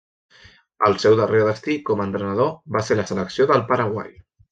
El seu darrer destí com a entrenador va ser la selecció del Paraguai.